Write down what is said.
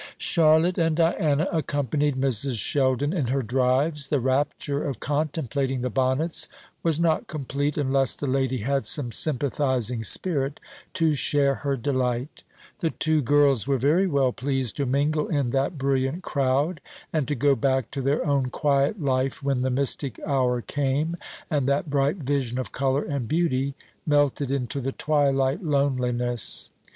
Charlotte and Diana accompanied Mrs. Sheldon in her drives. The rapture of contemplating the bonnets was not complete unless the lady had some sympathising spirit to share her delight. The two girls were very well pleased to mingle in that brilliant crowd, and to go back to their own quiet life when the mystic hour came, and that bright vision of colour and beauty melted into the twilight loneliness.